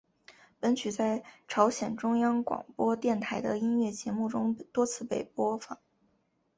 本曲在朝鲜中央广播电台的音乐节目中多次被播放。